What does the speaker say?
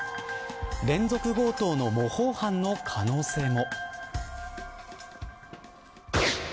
連続強盗の模倣犯の可能性も。